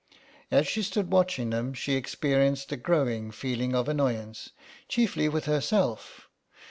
As she stood watching them she experienced a growing feeling of annoyance, chiefly with herself.